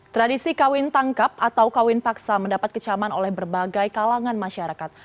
tradisi kawin tangkap atau kawin paksa mendapat kecaman oleh berbagai kalangan masyarakat